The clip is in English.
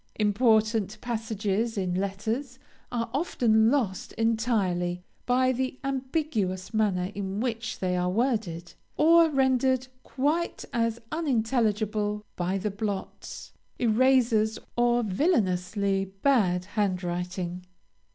Important passages in letters are often lost entirely, by the ambiguous manner in which they are worded, or rendered quite as unintelligible by the blots, erasures, or villainously bad hand writing.